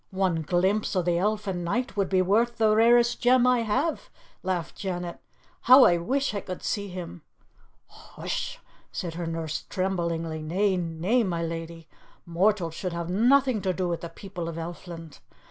"One glimpse of the Elfin Knight would be worth the rarest gem I have," laughed Janet. "How I wish I could see him!" "Hush sh!" said her nurse tremblingly. "Nay, nay, my lady! Mortals should have nothing to do with the people of Elfland.